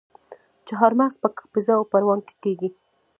چهارمغز په کاپیسا او پروان کې کیږي.